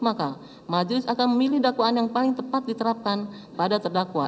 maka majelis akan memilih dakwaan yang paling tepat diterapkan pada terdakwa